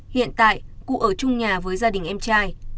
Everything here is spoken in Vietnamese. hiện tại cụ ở trung nhà với gia đình em trai